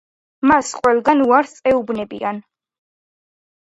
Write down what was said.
მას ყველგან უარს ეუბნებიან.